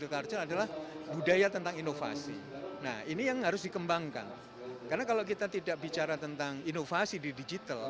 karena kalau kita tidak bicara tentang inovasi di digital